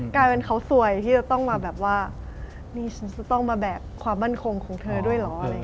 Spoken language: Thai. กลายเป็นเขาสวยที่จะต้องมาแบบว่านี่ฉันจะต้องมาแบบความบ้านคงของเธอด้วยเหรอ